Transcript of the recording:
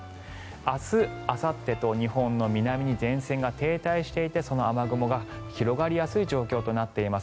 明日あさってと日本の南に前線が停滞していてその雨雲が広がりやすい状況となっています。